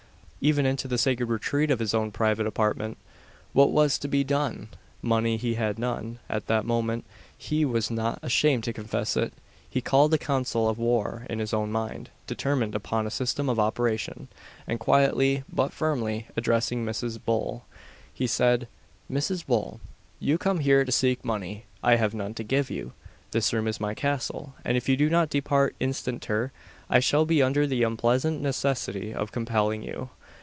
even into the sacred retreat of his own private apartment. What was to be done? Money he had none, at that moment he was not ashamed to confess it. He called a council of war in his own mind, determined upon a system of operation, and quietly, but firmly, addressing Mrs. Bull, he said, "Mrs. Bull you come here to seek money; I have none to give you This room is my castle, and if you do not depart instanter, I shall be under the unpleasant necessity of compelling you."